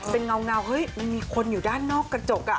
เป็นเงาเฮ้ยมันมีคนอยู่ด้านนอกกระจก